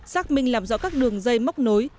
xác minh làm rõ các đường dây móc nối